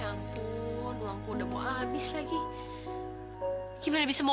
akan menyelamatkan critter dan harvey